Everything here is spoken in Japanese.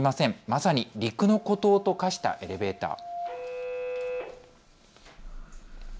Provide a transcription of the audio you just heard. まさに陸の孤島と化したエレベーター。